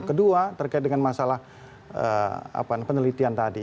kedua terkait dengan masalah penelitian tadi